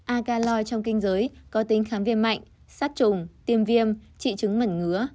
a caloi trong kinh giới có tính kháng viêm mạnh sát trùng tiêm viêm trị trứng mẩn ngứa